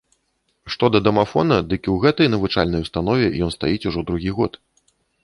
Што да дамафона, дык і ў гэтай навучальнай установе ён стаіць ужо другі год.